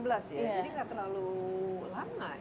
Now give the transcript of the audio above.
jadi nggak terlalu lama ya